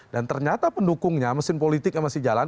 dan ternyata pendukungnya mesin politiknya masih jalan